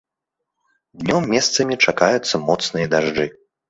Днём месцамі чакаюцца моцныя дажджы.